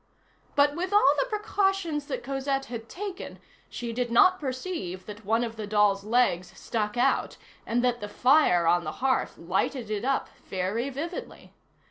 But with all the precautions that Cosette had taken she did not perceive that one of the doll's legs stuck out and that the fire on the hearth lighted it up very vividly.